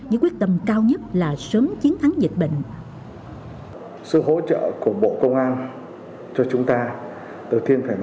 với quyết tâm cao nhất là sớm chiến thắng dịch bệnh